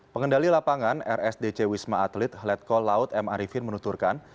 pengendali lapangan rsdc wisma atlet letkol laut m arifin menuturkan